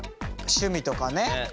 趣味とかね。